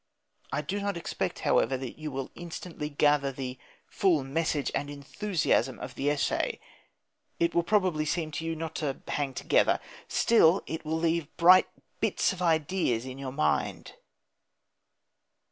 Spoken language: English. I do not expect, however, that you will instantly gather the full message and enthusiasm of the essay. It will probably seem to you not to "hang together." Still, it will leave bright bits of ideas in your mind.